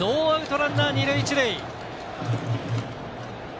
ランナー２塁１塁。